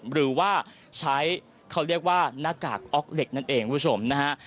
หรือว่าใช้เขาเรียกว่าหน้ากากอ๊อกเล็กนั่นเองคุณผู้ชมนะฮะ